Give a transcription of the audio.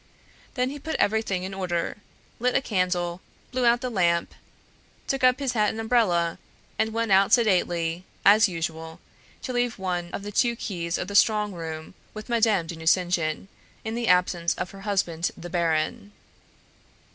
Then he put everything in order, lit a candle, blew out the lamp, took up his hat and umbrella, and went out sedately, as usual, to leave one of the two keys of the strong room with Madame de Nucingen, in the absence of her husband the baron.